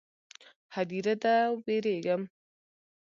_ هديره ده، وېرېږم.